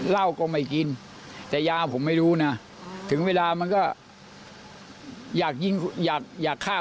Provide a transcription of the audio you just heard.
เหล้าก็ไม่กินแต่ยาผมไม่รู้นะถึงเวลามันก็อยากฆ่าคนมันก็พูดอย่างนี้